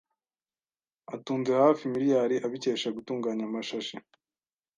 Atunze hafi miliyari abikesha gutunganya amashashi